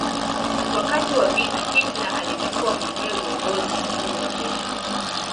Wakati wa vita Hitler alichukua mwenyewe uongozi mkuu wa jeshi.